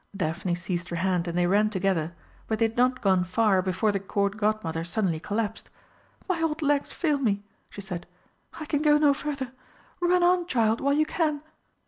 Daphne seized her hand and they ran together, but they had not gone far before the Court Godmother suddenly collapsed. "My old legs fail me!" she said, "I can go no further! Run on, child, while you can!"